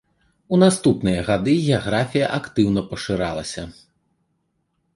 У наступныя гады геаграфія актыўна пашыралася.